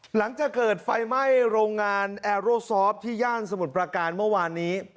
หลังจากเกิดไฟไหม้โรงงานแอโรซอฟต์ที่ย่านสมุทรประการเมื่อวานนี้